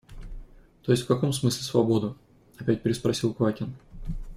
– То есть в каком смысле свободу? – опять переспросил Квакин.